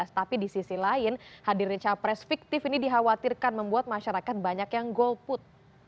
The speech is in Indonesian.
tapi di sisi lain hadirnya capres fiktif ini dikhawatirkan membuat masyarakat banyak yang golput